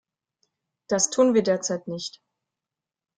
Das tun wir derzeit nicht.